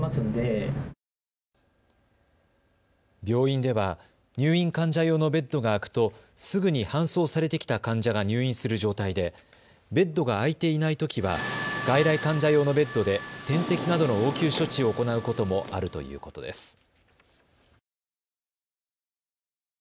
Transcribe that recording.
病院では入院患者用のベッドが空くとすぐに搬送されてきた患者が入院する状態でベッドが空いていないときは外来患者用のベッドで点滴などの応急処置を行うこともあるということです。